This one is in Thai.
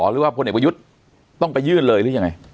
หรือว่าพยต้องไปยื่นเลยหรือยังไง